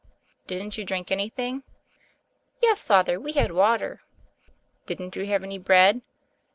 "Didn't you drink anything?'* "Yes, Father; we had water." "Didn't you have any bread?"